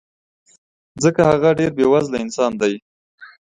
ځکه هغه ډېر بې وزله انسان دی